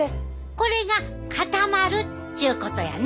これが固まるっちゅうことやな。